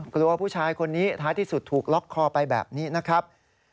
กลัวผู้ชายคนนี้ท้ายที่สุดถูกล็อกคอไปแบบนี้นะครับ